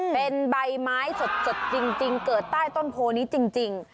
เป็นใบไม้สดจริงเกิดใต้ต้นโพนี้จริง